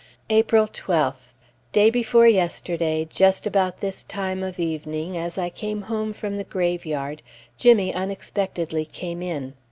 April 12th. Day before yesterday, just about this time of evening, as I came home from the graveyard, Jimmy unexpectedly came in.